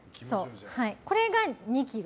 これが２ｋｇ？